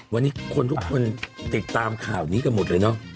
วันนี้คนทุกคนติดตามข่าวนี้กันหมดเลยเนอะ